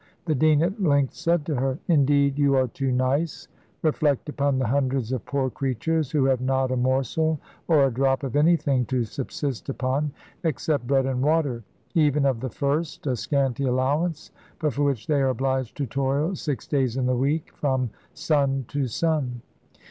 The dean at length said to her, "Indeed, you are too nice; reflect upon the hundreds of poor creatures who have not a morsel or a drop of anything to subsist upon, except bread and water; and even of the first a scanty allowance, but for which they are obliged to toil six days in the week, from sun to sun."